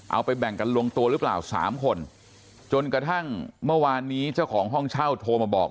แบ่งกันลงตัวหรือเปล่าสามคนจนกระทั่งเมื่อวานนี้เจ้าของห้องเช่าโทรมาบอก